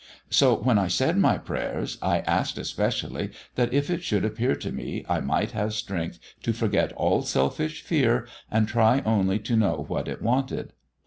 So when I said my prayers, I asked especially that if it should appear to me, I might have strength to forget all selfish fear and try only to know what it wanted.